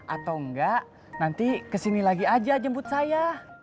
atau enggak nanti kesini lagi aja jemput saya